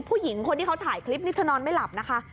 ผู้หญิงคนที่เขาถ่ายคลิปนี้เธอนอนไม่หลับนะคะ